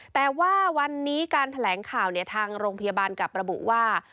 แต่ว่าวันนี้การแถลงข่าวทางโรงพยาบาลกลับระบุว่า